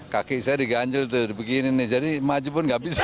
kaki saya diganjel tuh begini nih jadi maju pun nggak bisa